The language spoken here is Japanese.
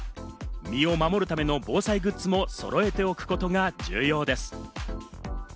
身を守るための防災グッズもそろえておくことが重要です。